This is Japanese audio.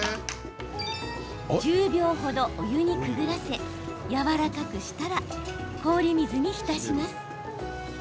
１０秒程、お湯にくぐらせやわらかくしたら氷水に浸します。